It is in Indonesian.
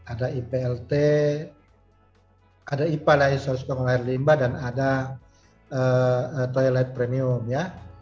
ada iplt ada ipa dan ada toilet premium ya